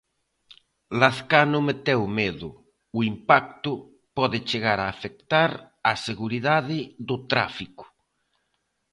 Lazcano meteu medo: o impacto "pode chegar a afectar á seguridade do tráfico".